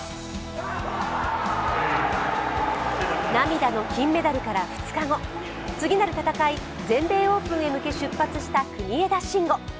涙の金メダルから２日後、次なる戦い全米オープンへ出発した国枝慎吾。